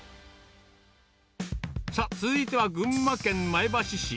さあ、続いては群馬県前橋市。